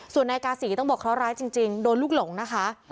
ส่วนนายกาศีต้องบอกเคราะหร้ายจริงโดนลูกหลงนะคะ